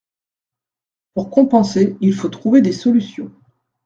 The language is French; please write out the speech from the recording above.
Pour compenser, il faut trouver des solutions.